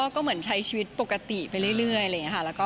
ก็เหมือนใช้ชีวิตปกติไปเรื่อย